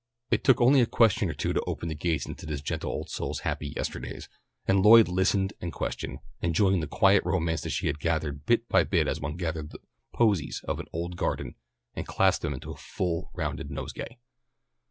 It took only a question or two to open the gates into this gentle old soul's happy yesterdays, and Lloyd listened and questioned, enjoying the quiet romance that she gathered bit by bit as one gathers the posies of an old garden and clasps them into a full rounded nosegay.